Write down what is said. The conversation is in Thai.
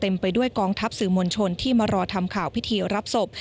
ไปด้วยกองทัพสื่อมวลชนที่มารอทำข่าวพิธีรับศพ